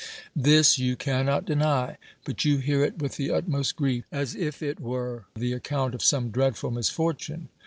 This you cannot deny; but you hear it with the utmost grief, as if it were the account of some dreadful misfortune.